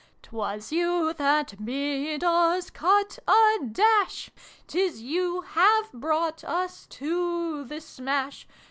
' Twas you that bid us cut a dash !' Tis you have brougJtt us to this smash